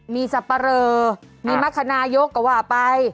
มีสับปะเรอมีมรรคนายกก็ว่าไป